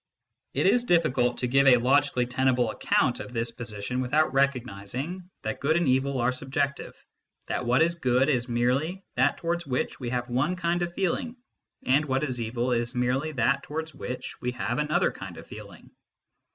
It is difficult to give a logically tenable account of this position without recognising that good and evil are sub jective, that what is good is merely that towards which we have one kind of feeling, and what is evil is merely that towards which we have another kind of feeling.